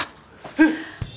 えっ！？